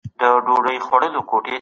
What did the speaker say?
که غواړې پوه سې نو پوښتنه وکړه.